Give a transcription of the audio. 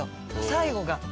最後が。